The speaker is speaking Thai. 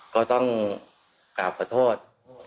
ก็ต้องกราบขอโทษ